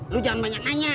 lo jangan banyak nanya